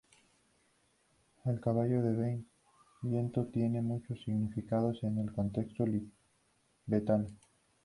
El caballo de viento tiene muchos significados en el contexto tibetano.